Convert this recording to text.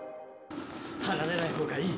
「離れない方がいい！」